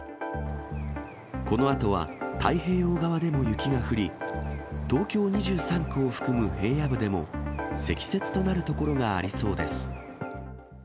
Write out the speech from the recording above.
このあとは太平洋側でも雪が降り、東京２３区を含む平野部でも、積雪となる所がありそうです。